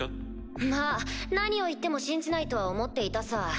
まぁ何を言っても信じないとは思っていたさ。